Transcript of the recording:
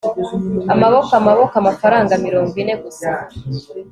amaboko! amaboko! amafaranga mirongo ine gusa